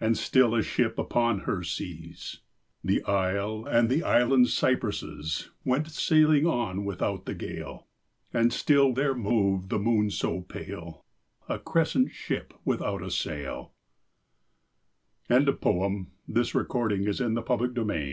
And still, a ship upon her seas. The isle and the island cypresses Went sailing on without the gale : And still there moved the moon so pale, A crescent ship without a sail ' I7S Oak and Olive \ Though I was born a Londo